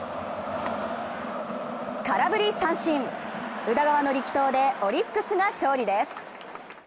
空振り三振宇田川の力投でオリックスが勝利です。